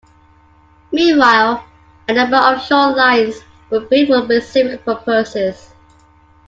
Meanwhile, a number of short lines were built for specific purposes.